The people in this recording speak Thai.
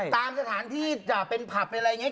ตามสถานที่เป็นผับอะไรอย่างเงี้ย